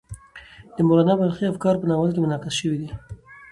د مولانا بلخي افکار په ناول کې منعکس شوي دي.